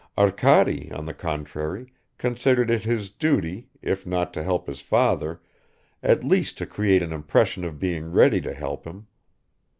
Arkady, on the contrary, considered it his duty, if not to help his father, at least to create an impression of being ready to help him.